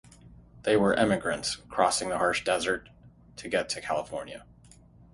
They were emigrants crossing the harsh Desert to get to California.